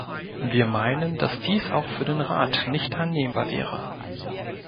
Wir meinen, dass dies auch für den Rat nicht annehmbar wäre.